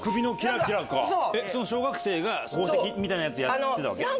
小学生が宝石みたいなやつやってたわけ？